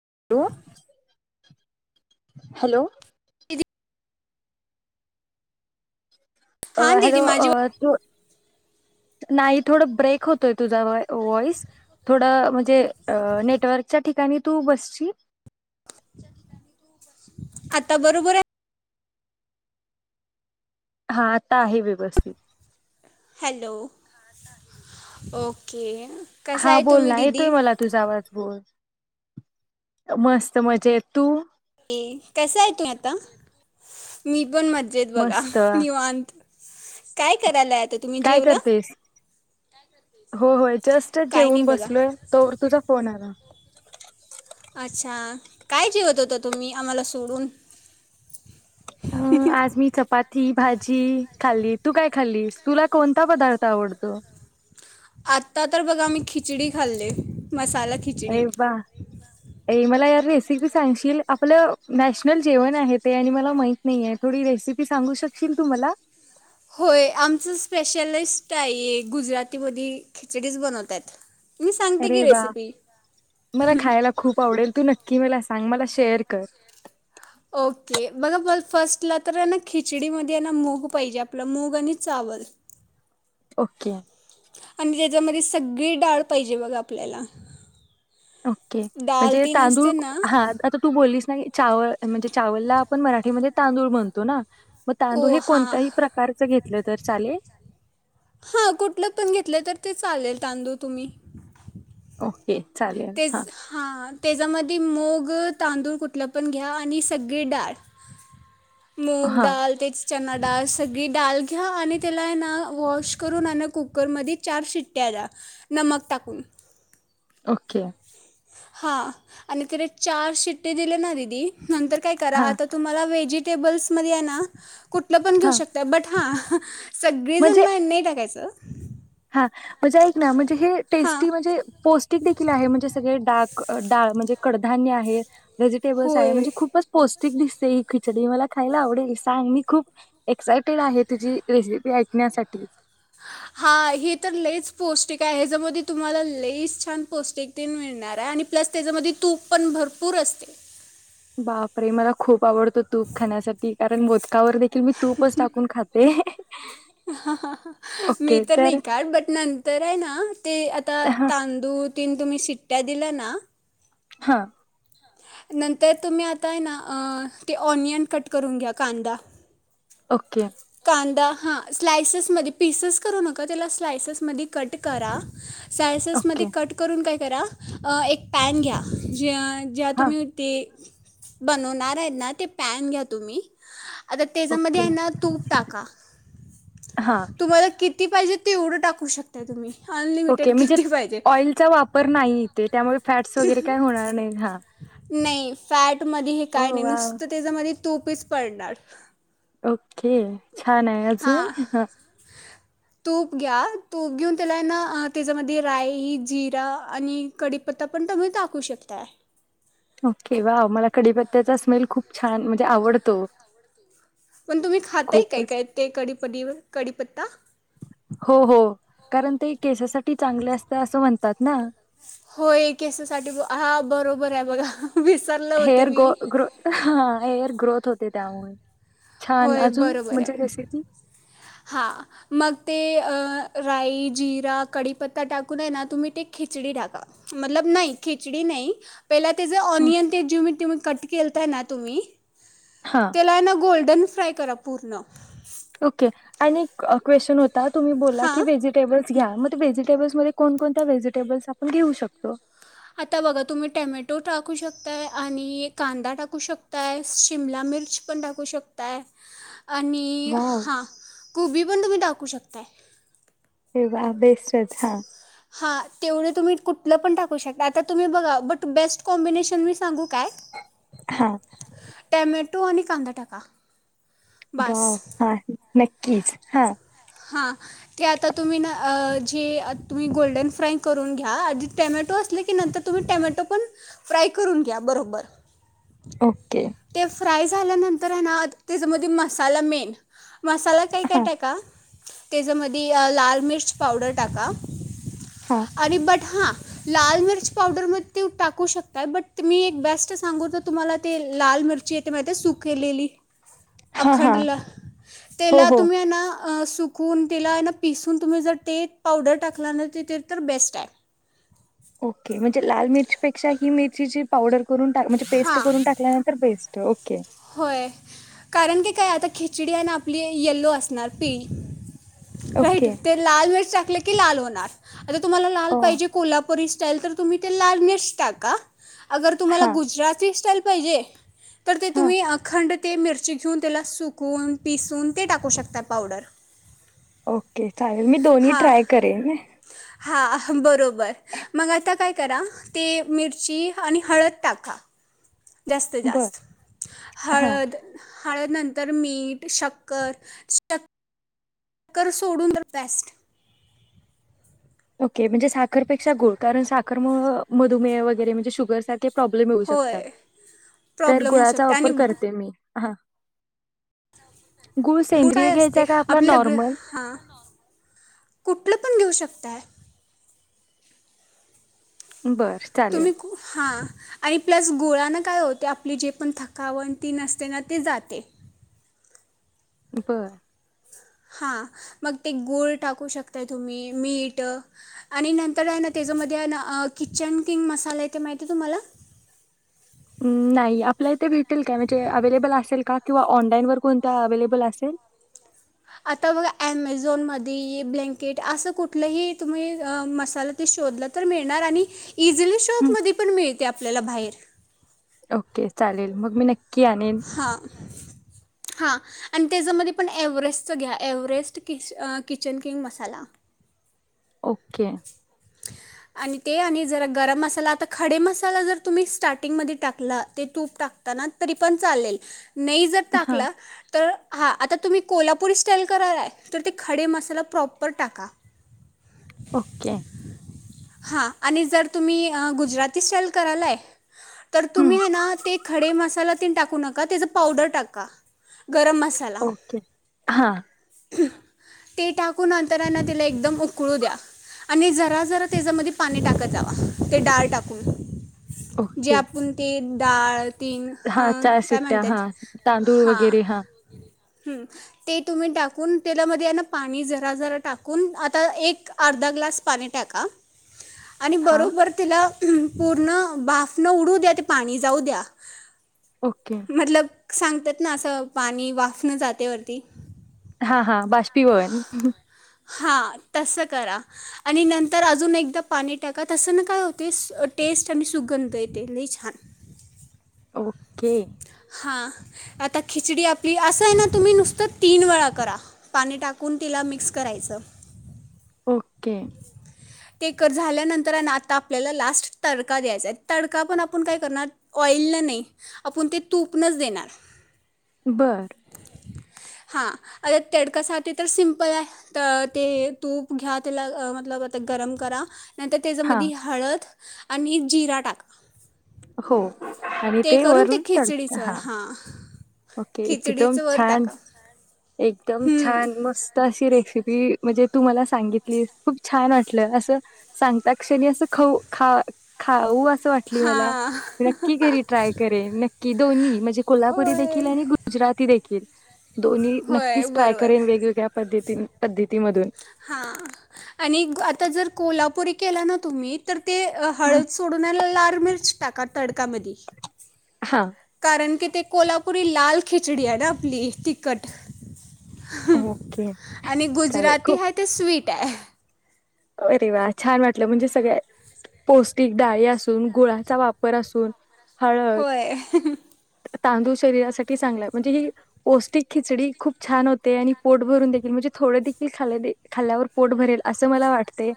[unintelligible] Hello दीदी अ हां हॅलो दीदी माझी अ तू नाही थोड ब्रेक होतोय तुझ वॉइस थोड म्हणजे नेटवर्कच्या ठिकाणी तू बस आता बरोबर आहे हा आता आहे व्यवस्थित हॅलो! ओके. कसा हा आहे बोल तुम्ही ना दीदी येतोय मला तुझा आवाज बोल. मस्त, मजेत. तू? कसंय हाय तू आता? मी- पण मज्जेत बघा मस्त निवांत. काय करायल्यात? काय करतेस? हो हो जस्टच काय नाही जेऊन बघा बसलोय तोवर तुझा फोन आला. अच्छा! काय जेवत होता तुम्ही आम्हाला सोडून? अ आज मी चपात् ती, भाजी खाल्ली. तू काय खाल्लीस, तुला कोणता पदार्थ आवडतो? आता तर बघा मी खिचडी खाल्लेय मस् अय बा अय मला या रेस् सिपी सांगशील आपलं मॅश्- नल जेवण आहे ते आणि मला माहि्- नायि आह थोडी रेसिपी सांगू शकशील तू मला होय आमच स्पेसिलीस्ट आहे गुजरातीमध्ये खिचडीच बनवतायत् अरे वा! मला खायला खूप आवडेल तू नक्की मला असं आणि मला शेअर कर. ओके. बघा ब फर्स्टला तर ना खिचडीमध्ये ना मूग पाहिजे आपलं मूग आणि चावल. ओके. आणि त्याच्यामध्ये सगळी डाळ पाहिजे बघा आपल्याला. ओके डाळ म्हणजे ती तांदूळ नसते ना हा आता तू बोललीस ना चावल म्हणजे चावलला, पण मराठीमध्ये तांदूळ म्हणतो ना मग ओ तांदूळ हे हा, कोणत्याही प्रकारचं घेतलं तर चालेल हा कुठलं पण घेतलं तर ते चालेल. तांदूळ तुम्ही ओ के चालेल, हा तेच हां त्याच्यामध्ये मुग, तांदूळ कुठलं पण घ्या आणि सगळी डाळ. हा मूगडाल तेच- चना डाळ सगळी डाळ घ्या आणि त्याला हाय ना वॉश करून आणि कुकरमध्ये चार शिट्ट्या द्या [inaudible] टाकून. ओके हां आणि तिला चार शिट्टी दिले ना दिदी - नंतर काय करा हा आता तुम्हाला व्हेजि् टेबल्स मध्ये आहे ना- कुठलं पण घेऊ हा शकताय बट हा सगळीजन म्हणजे नाही टाकायचे. हा म्हणजे ऐक ना, म्हणजे हे हां टेस्टी म्हणजे पौष्टिक देखील आहे म्हणजे सगळे डाग, डाळ म्हणजे कडधान्य आहे. व्हेजिटेबल्स आहे होय म्हणजे खूपच पोस्ट ठीक दिसते ही खिचडी मला खायला आवडेल सांग मी खूप एक्सायटेड आहे तुझी रेसिपी ऐकण्यासाठी हा हे तर लेस पौष्टिक आहे ह्याच्यामध्ये तुम्हाला लेस छान पौष्टिकतेन मिळणार आहे आणि प्लस त्याच्यामध्ये तूप पण भरपूर असते. बापरे मला खूप.... आवडतो तूप खाण्यासाठी कारण ब का वर देखील मी तूपच टाकून खाते. मी तर नाही का बटणान तर आहे ना? ते आता हा तांदूळ, तीन तुम्ही शिट्या दिल्या ना, हा, नंतर तुम्ही आता आहे ना ते ऑनियन कट करून घ्या कांदा. ओके. कांदा हा स्लाइसेस मधी, पीसेस करू नका. त्याला स्लाइसेस मध्ये कट करा. सायसेस ओके मध्ये कट करून काही करा. अ एक पॅन घ्या. जे ज्या हा तुम्ही ते बनवणार आहेत ना ते पॅन घ्या तुम्ही. आता त्याच्यामध्ये ओके आहे ना तूप टाका. हा तुम्हाला कि ती पाहिजेत, तेवढं टाकू शकता तुम्ही. ओके अनलिमिटेड म्हणजे किती पाहिजे, ऑइलचा वापर नाही इथे त्यामुळे फॅट्स वगैरे काय होणार नाही हा नाही फॅट मध्ये हे हो काही नही. वा नुसत त्याच्यामधी तुपीच पडणार ओक के छान आहे. हां अजून? तूप घ्या. तूप घेऊन त्याला ना त्याच्यामध्ये राई जिरा आणि कढीपत्ता पण तुम्ही टाकू शकताय. ओके. वाव! मला कढीपत्त्याचा स्मेल खूप छान म्हणजे आवडतो. पण तुम्ही खाताय काय खूपच काय ते की कढीपडी, कढिपत्ता? हो हो. कारण ते केससाठी चांगले असत असं म्हणतात ना. होय केससाठी. हा बरोबर आहे बघा. विसरलं होते हेअर ग मी ग्रो हां, हेअर ग्रोथ होते. त्यामुळे. छान! होय अजून? म्हणजे रेसिपी. हा. मग ते राई जिरा कढीपत्ता टाकून आहे ना तुम्ही ते खिचडी टाका. मतलब नाही, खिचडी नाही. पहिला ते जे ऑनिन ते जेव कट केलताय ना तुम्ही? हा त्याला ना गोल्डन फ्राय करा पूर्ण. ओके आणि एक क्वेशन होत ता. तुम्ही बोलला की हां वेजिटेबल घ्या. मग व्हेजिटेबल्समध्ये कोण कोणत्या व्हेजिटेबल्स आपण घेऊ शकतो? आता बघा तुम्ही टॅमेटो टाकू शकताय. आणि कांदा टाकू शकताय, शिमला मिर्च पण टाकू शकताय आणि वाव हां कोबी पण तुम्ही टाकू शकताय. [unintelligible] [unintelligible] हा हां तेवढे तुम्ही कुठलं पण टाकू शकता. आता तुम्ही बघा बट बेस्ट कॉम्बिनेशन मी सांगू काय? हा टॅमे टो आणि कांदा टाका [unintelligible] हा हा ते आता तुम्ही ना अ जे तुम्ही गोल्डन फ्राय करून घ्या. आधी तू टामॅटो असल की नंतर तुम्ही टामॅटो पण फ्राय करून घ्या बरोबर ओके ते फ्राय झाल्यानंतर हाय ना त्याच्यामध्ये मसाला मेन मसाला काय काय हा टेका त्याजामधी लाल मिर्च पावडर टाका. हा अरी बट हा लाल मिरच पावडर म ते टाकू शक बट मी एक बेस्टच सांगू जर तुम्हाला ते लाल मिरची येते माहिेतीये सुकेलेली हा हा हो हो आ सुकून तेला हेना पिसून तुम्ही जर ते पावडर टाकला ना ते तर बेस्ट आहे. ओके म्हणजे लाल मिरचीपेक्षा ही मिरची ची पावडर करून टा म्हणजे पेस्ट हां करून टाकल्यानंतर बेस्ट त ओके होय कारण की काय आता खिचडी आहे आपली येल्लो असणार पी राईट ओके ते लाल मिरच टाकले की लाल होणार [unintelligible] आता तुम्हाला लाल अ पाहिजे कोल्हा री स्टाईल तर तुम्ही ते लाल मिर्च टाका. अगर तुम्हाला हा गुजराती स्टाईल पईजे तर हा तुम्ही अखंड ते मिरची घेऊन त्याला सुकवून पिसून ते टाकू शकता पावडर. ओके चालेल, मी दोन्ही ट्राय करेन हा, बरोब व, मग आता काय करा, ते मिरची आणि हळद टाका. जास्त बर जास्त, हा हळद हळदनंतर मीठ, शक्कर स्टक करु सोडून द पेस्ट. ओके म्हणजे साखरपेक्षा गुळ, कारण साखर मुळ मधुमेह वगैरे म्हणजे शुगर सारखे प्रॉब्लेम येऊ होय शकतात. तर प्रॉब्लेम होऊ गुळाचा शकते आणि वापर गु- करते मी. हां, हो काय असते, आपले ग हां कुठलं पण घेऊ शक ताय. बर चालेल तुम्ही, कु हं. आणि प्लस गुळा न काय होते आपली जे पण थकावण तीन असते ना ते जाते. बर. हां, मग ते गुळ टाकू शकताय तुम्ही मीठ, आणि नंतर आहे ना त्याच्यामध्ये आहे ना आं किचन किंग मसाले ते माहिती तुम्हाला? नाही, आपल्या इथे भेट भेटेल काय, चे अवेलेबल असेल का? किंवा ऑनलाईन वर कोणत्या अवेलेबल असेल? आता बघा ऍमेझॉनमध्ये ब्लँकेट असं कुठलंही तुम्ही अं मसाला ते शोधला तर मिळणार, आणि इझिली शॉपमध्ये पण मिळते आपल्याला बाहेर. ओके चालेल, मग मी नक की आणेन. हां हां, आणि तेज्यामध्ये पण एव्हरेस्टचं घ्या, एव्हरेस्ट किच अं किचन किंग मसाला. ओके. आणि ते आणि जरा गरम मसाला आता खडे मसाला जर तुम्ही स्टार्टिंगमध्ये टाकला ते तूप टाकताना तरी पण चालेल. नई जर हां टाकला तर हां, आता तुम्ही कोल्हापुरी स्टाईल करालाय तर ते खडे मसाला प्रॉपर टाका. ओके. हां, आणि जर तुम्ही अं गुजराती स्टाईल करालाय तर हं, तुम्ही हाय ना ते खडे मसालात तेन टाकू नका तेजं पावडर टाका. गरम मसाला ओके हा ते टाकून अंतरानं तिला एकदम उप उकाळू द्या आणि जरा जरा त्याच्यामध्ये पाणी टाकत जावा ते डाळ टाकून जे ओके आपूण ते डाळ तीन ह हां, काय शिट्ट्या म्हणतात हां, तांदूळ हां वगैरे हम्म ते तुम्ही टाकून तेलामध्ये ना पाणी जरा जरा टाकून आता एक अर्धा ग्लास पाणी टाका. आणि हां, बरोबर तिला पूर्ण बाफ न उडू द्या ते पाणी जाऊ द्या. ओके मतलब सांगतात ना असं पाणी वाफणं जातेवरती हा हा बाष्पीभवन हां तसं करा आणि नंतर अजून एकदा पाणी टाका तसं ना का टेस्ट आणि सुगंध येते लय छान ओके. हां आता खिचडी आपली असं आहे ना तुम्ही नुसतं तीन वेळा करा पाणी टाकून तिला मिक्स करायचं ओके ते कर झाल्यानंतर आता आपल्याला लास्ट तडका द्यायचा आहे तडका पण आपण काय करणार ऑइलन नाही आपण ते तूपनंच देणार. बरं हा अ तेडकासाठी तर सिम्पल आहे ते तूप घ्या त्याला मतलब गरम करा. नंतर हां, त्याच्यामधी हळद आणि जिरा टाका हो आणि ते करून वरून तडत खिचडीचवर हा हां ओके एकदम खिचडीचं वर छान. टाका एकदम हम्म, छान मस्त अशी रेसिपी म्हणजे तू मला सांगितली खूप छान वाटलं असं सांगता क्षणी असं खाऊ खा खाऊ अस वाटली मला हां नक्की घरी ट्राय करेन नक्की दोन्ही म्हणजे कोल्हापुरी होय देखील आणि गुजराती देखील. होय नक्कीच ट्राय बरोबर करेन वेगवेगळ्या पद्धती पद्धतीमधून हां आणि ग- आता जर कोल्हापुरी केला ना तुम्ही तर ते हा हळद सोडण्याला लाार मिर च टाका तडकामधी हा कारण की ते कोल्हापुरी लाल खिचडी आहे ना आपली तिखट ओके आणि चालेल गुजराती खूप हाय ते स्वीट [unintelligible] अरे वा छान वाटलं म्हणजे सगळ्यात पौष्टिक डाळी असून गुळाचा वापर असून हळद होय तांदूळ शरीरासाठी चांगला म्हणजे ही पौष्टिक खिचडी खूप छान होते आणि पोट भरून देखील म्हणजे थोडे देखील खाल्याने खाल्ल्यावर पोट भरेल असं मला वाटत ते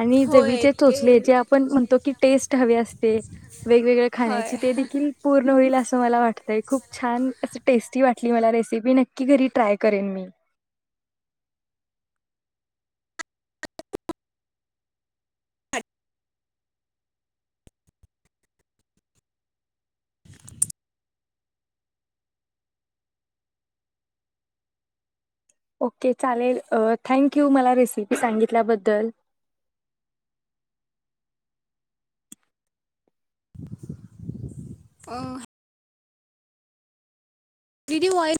आणि होय जबीचे ते चोचले जे आपण म्हणतो की टेस्ट हवे असते वेगवेगळ्या खाण्याची होय ते देखील पूर्ण होईल अस तुमाला वाटतय खूप छान अस टेस्टी वाटली मला रेसिपी नक्की घरी ट्राय करेन मी ओके चालेल अ थँक्यू मला रेसिपी सांगितल्याबद्दल अ दीदी वाई